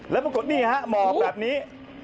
แล้วปรากฏนี่ฮะหมอกแบบนี้